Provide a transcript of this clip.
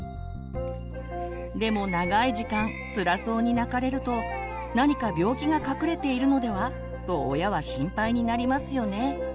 でも長い時間つらそうに泣かれると「何か病気が隠れているのでは？」と親は心配になりますよね。